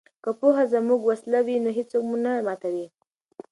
که پوهه زموږ وسله وي نو هیڅوک مو نه ماتوي.